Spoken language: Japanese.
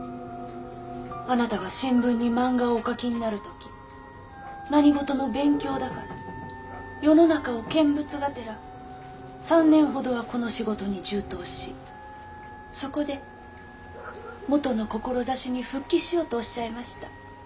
あなたが新聞に漫画をお描きになる時何事も勉強だから世の中を見物がてら３年ほどはこの仕事に充当しそこで元の志に復帰しようとおっしゃいました。